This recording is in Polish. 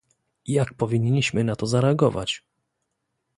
Jak powinniśmy na to zareagować?